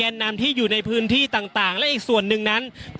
อย่างที่บอกไปว่าเรายังยึดในเรื่องของข้อ